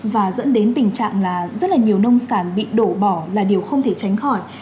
và dẫn đến tình trạng là rất là nhiều nông sản bị đổ bỏ là điều không thể tránh khỏi